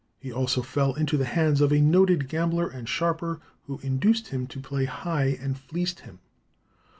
He also fell into the hands of a noted gambler and sharper, who induced him to play high, and fleeced him.